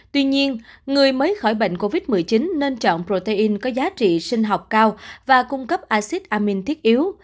tuy nhiên người mới khỏi bệnh covid một mươi chín nên chọn protein có giá trị sinh học cao và cung cấp acid amin thiết yếu